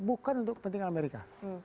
bukan untuk penting amerika